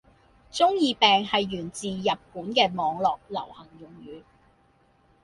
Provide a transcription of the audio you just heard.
中二病係源自日本嘅網絡流行用語